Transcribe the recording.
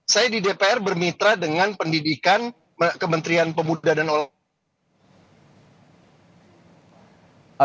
saya di dpr bermitra dengan pendidikan kementerian pemuda dan olahraga